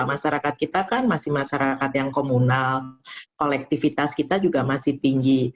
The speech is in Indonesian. masyarakat kita kan masih masyarakat yang komunal kolektivitas kita juga masih tinggi